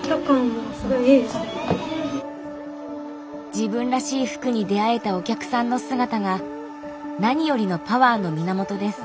自分らしい服に出会えたお客さんの姿が何よりのパワーの源です。